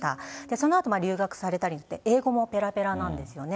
そのあと留学されたり、英語もぺらぺらなんですよね。